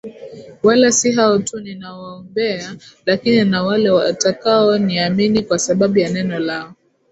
Wala si hao tu ninaowaombea lakini na wale watakaoniamini kwa sababu ya neno lao